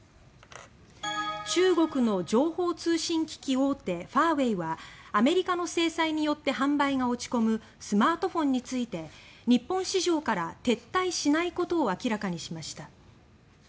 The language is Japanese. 中国の情報通信機器大手ファーウェイはアメリカの制裁によって販売が落ち込むスマートフォンについて日本市場から撤退しないことを明らかにしました。